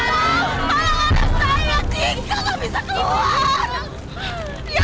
akan diri dia ada di dasarnya